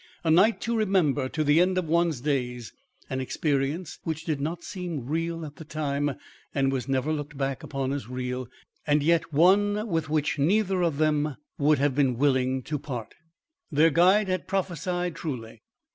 A night to remember to the end of one's days; an experience which did not seem real at the time and was never looked back upon as real and yet, one with which neither of them would have been willing to part. Their guide had prophesied truly.